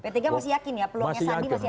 ptg masih yakin ya peluangnya sandi masih ada